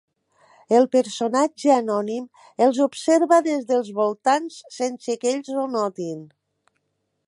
El personatge anònim els observa des dels voltants sense que ells ho notin.